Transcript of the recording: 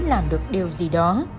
làm được điều gì đó